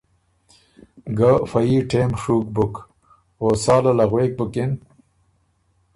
ګۀ فۀ يي ټېم ڒُوک بُک، او ساله له غوېک بُکِن